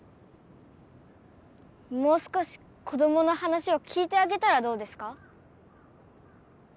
もう少し子どもの話を聞いてあげたらどうですか？